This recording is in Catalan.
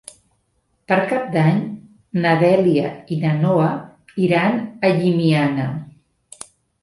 Per Cap d'Any na Dèlia i na Noa iran a Llimiana.